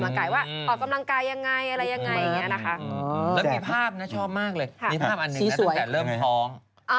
น่ารักมากตั้งแต่เริ่มท้อง